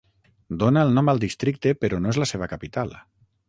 Dona el nom al districte però no és la seva capital.